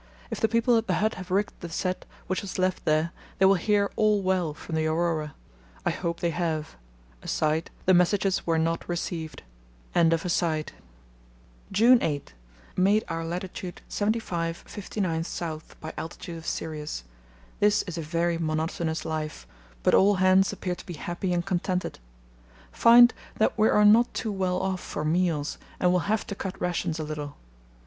If the people at the hut have rigged the set which was left there, they will hear 'All well' from the Aurora. I hope they have. [The messages were not received.] "June 8.—Made our latitude 75° 59´ S. by altitude of Sirius. This is a very monotonous life, but all hands appear to be happy and contented. Find that we are not too well off for meals and will have to cut rations a little.